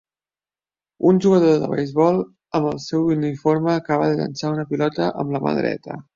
Un jugador de beisbol amb el seu uniforme acaba de llençar una pilota amb la mà dreta